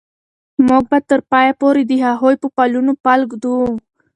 موږ به تر پایه پورې د هغوی په پلونو پل ږدو.